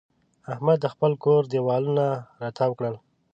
احمد د خپل کور دېوالونه را تاوو کړل.